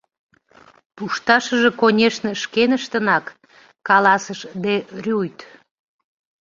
— Пушташыже, конешне, шкеныштынак, — каласыш де Рюйт.